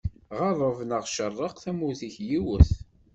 Ɣerreb neɣ cerreq, tamurt-ik yiwet.